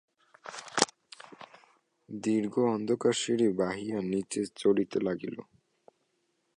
দীর্ঘ অন্ধকার সিঁড়ি বাহিয়া নিচে চলিতে লাগিল।